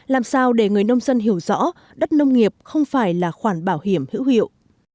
làm sao để người nông dân hiểu rõ đất nông nghiệp không phải là khoản bảo hiểm hữu hiệu